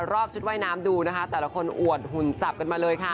รอบชุดว่ายน้ำดูนะคะแต่ละคนอวดหุ่นสับกันมาเลยค่ะ